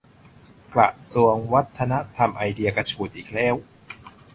กระทรวงวัฒนธรรมไอเดียกระฉูดอีกแล้ว